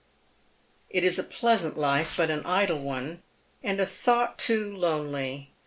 It is a pleasant life, but an idle one, and a thought too lonely.